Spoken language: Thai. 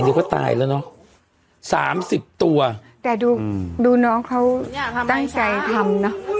เดี๋ยวก็ตายแล้วเนอะสามสิบตัวแต่ดูดูน้องเขาตั้งใจทำเนอะ